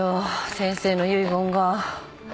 先生の遺言が。